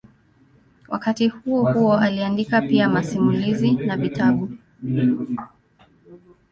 Wakati huohuo aliandika pia masimulizi na vitabu.